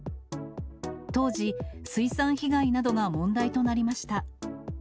当時、水産被害などが問題となりました。